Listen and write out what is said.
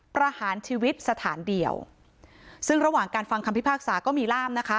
ประหารชีวิตสถานเดียวซึ่งระหว่างการฟังคำพิพากษาก็มีล่ามนะคะ